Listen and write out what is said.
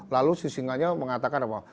lalu si singanya mengatakan apa